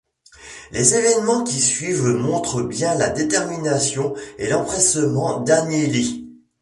Les évènements qui suivent montrent bien la détermination et l'empressement d'Agnelli.